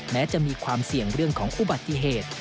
แม้จะมีความเสี่ยงเรื่องของอุบัติเหตุ